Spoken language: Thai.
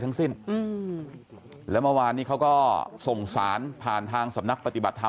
ทั้งสิ้นอืมแล้วเมื่อวานนี้เขาก็ส่งสารผ่านทางสำนักปฏิบัติธรรม